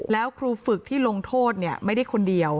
แล้วครูฝึกที่ลงโทษไม่ได้คนเดียว